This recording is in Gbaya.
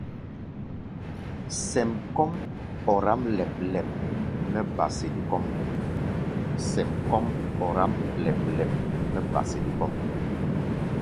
Sɛm kɔ́ʼm ɔráʼm lɛp-lɛp mɛ́ ba sede kɔ́ʼm.